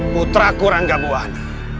putra kurang gabuan